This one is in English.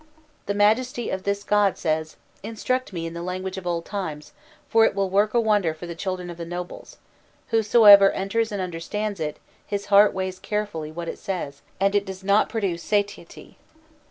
The majesty of this god says: 'Instruct me in the language of old times, for it will work a wonder for the children of the nobles; whosoever enters and understands it, his heart weighs carefully what it says, and it does not produce satiety.